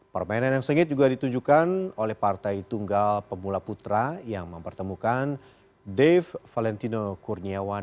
permainan yang sengit juga ditujukan oleh partai tunggal pemula putra yang mempertemukan dave valentino kurniawan